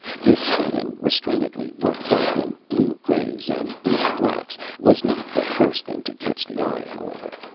This setting, restrainedly worked up in blue grays and blue blacks, was not the first thing to catch the eye, however.